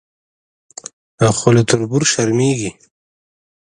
خو له تربور شرمېږي.